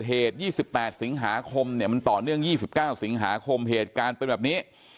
๒๘สิงหาคมเนี่ยมันต่อเนื่อง๒๙สิงหาคมเหตุการณ์เป็นแบบนี้